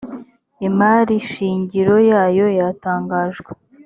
imari shingiro yayo yatangajwe